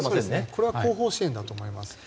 これは後方支援だと思います。